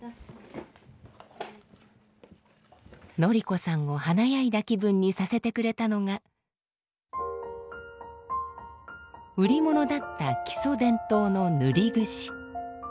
則子さんを華やいだ気分にさせてくれたのが売り物だった木曽伝統の塗櫛。